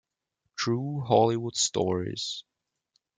True Hollywood Stories.